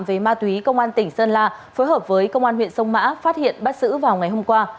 về ma túy công an tỉnh sơn la phối hợp với công an huyện sông mã phát hiện bắt xử vào ngày hôm qua